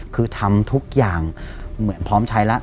คือทำทุกอย่างเหมือนพร้อมใช้แล้ว